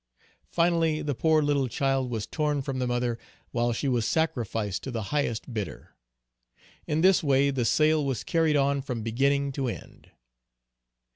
Finally the poor little child was torn from the mother while she was sacrificed to the highest bidder. In this way the sale was carried on from beginning to end.